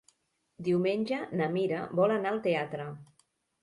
Diumenge na Mira vol anar al teatre.